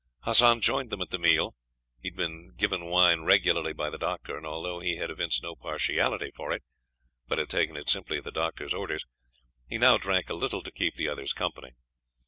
Hassan joined them at the meal. He had been given wine regularly by the doctor, and although he had evinced no partiality for it, but had taken it simply at the doctor's orders, he now drank a little to keep the others company.